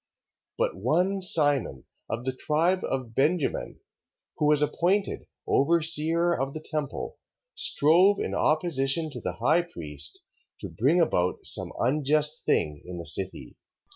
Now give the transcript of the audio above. But one Simon, of the tribe of Benjamin, who was appointed overseer of the temple, strove in opposition to the high priest, to bring about some unjust thing in the city.